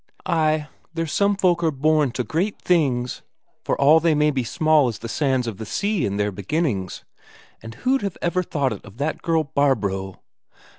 Ay, there's some folk are born to great things, for all they may be small as the sands of the sea in their beginnings. And who'd have ever thought it of that girl Barbro!